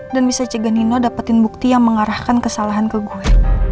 bisa cegah nino dapetin bukti yang mengarahkan kesalahan ke gue